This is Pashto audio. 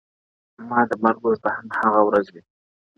ما د مرگ ورځ به هم هغه ورځ وي،